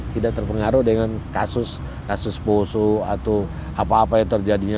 tidak terpengaruh dengan kasus kasus poso atau apa apa yang terjadinya